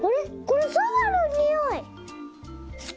これそばのにおい！